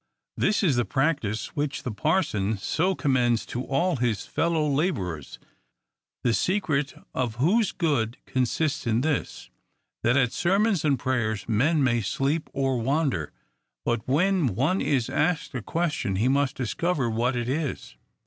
This is the practice which the parson so much commends to all 48 THE COUNTRY PARSON. his fellow laborers ; the secret of whose good consists in this, that at sermons and prayers men may sleep or wander ; but when one is asked a qiiestion, he must discover what he is.